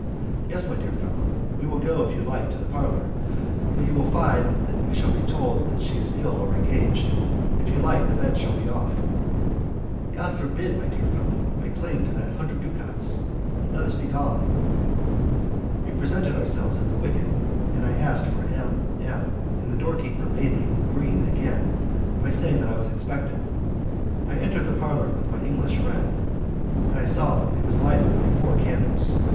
"Yes, my dear fellow. We will go, if you like, to the parlour; but you will find that we shall be told she is ill or engaged. If you like, the bet shall be off." "God forbid, my dear fellow! I cling to that hundred ducats. Let us be gone." We presented ourselves at the wicket, and I asked for M M , and the doorkeeper made me breathe again by saying that I was expected. I entered the parlour with my English friend, and saw that it was lighted by four candles.